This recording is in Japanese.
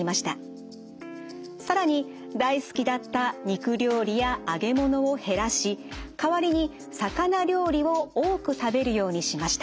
更に大好きだった肉料理や揚げ物を減らし代わりに魚料理を多く食べるようにしました。